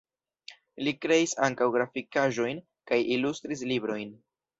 Li kreis ankaŭ grafikaĵojn kaj ilustris librojn.